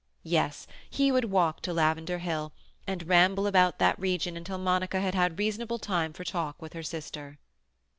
Yes, he would walk to Lavender Hill, and ramble about that region until Monica had had reasonable time for talk with her sister.